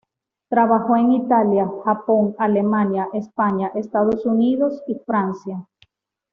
Trabajó en Italia, Japón, Alemania, España, Estados Unidos y Francia.